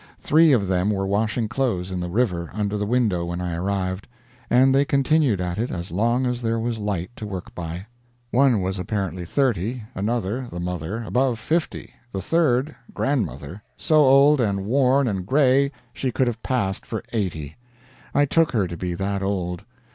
Three of them were washing clothes in the river under the window when I arrived, and they continued at it as long as there was light to work by. One was apparently thirty; another the mother! above fifty; the third grandmother! so old and worn and gray she could have passed for eighty; I took her to be that old.